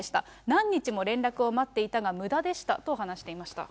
何日も連絡を待っていたが、むだでしたと話していました。